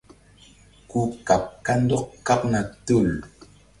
Ku kaɓ kandɔk kaɓna tul.